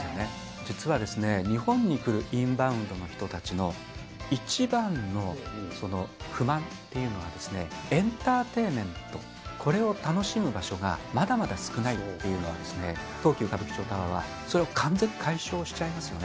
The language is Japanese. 実は、日本に来るインバウンドの人たちの一番の不満っていうのは、エンターテインメント、これを楽しむ場所がまだまだ少ないっていうのはですね、東急歌舞伎町タワーは、それを完全に解消しちゃいますよね。